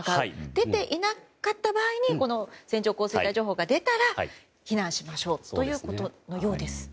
出ていなかった場合に線状降水帯情報が出たら避難しましょうということのようです。